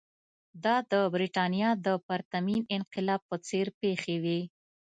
دا د برېټانیا د پرتمین انقلاب په څېر پېښې وې.